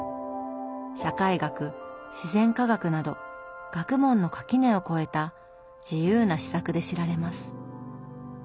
社会学自然科学など学問の垣根を超えた自由な思索で知られます。